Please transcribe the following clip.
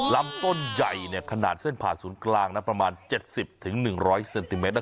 ลำต้นใหญ่ขนาดเส้นผ่าศูนย์กลางประมาณ๗๐๑๐๐เซนติเมตร